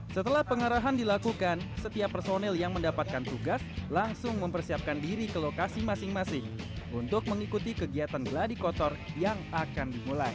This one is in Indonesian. setelah pengarahan dilakukan setiap personel yang mendapatkan tugas langsung mempersiapkan diri ke lokasi masing masing untuk mengikuti kegiatan geladi kotor yang akan dimulai